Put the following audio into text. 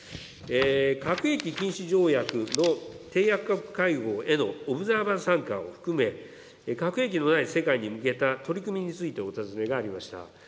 核兵器禁止条約の締約国会合へのオブザーバー参加を含め、核兵器のない世界に向けた取り組みについてお尋ねがありました。